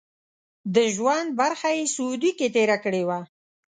د ژوند برخه یې سعودي کې تېره کړې وه.